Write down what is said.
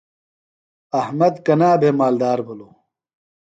احمد کنا بھےۡ مالدار بِھلوۡ؟